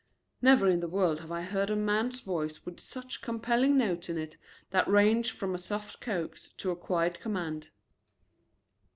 Never in the world have I heard a man's voice with such compelling notes in it that range from a soft coax to a quiet command.